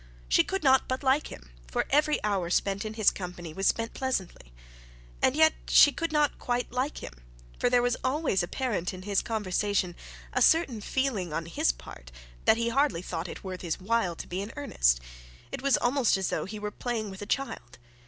She could not but like him, for every hour spent in his company was spent pleasantly. And yet she could not quite like him, for there was always apparent in his conversation a certain feeling on his part that he hardly thought it worth his while to be in earnest. It was almost as though he were playing with a child.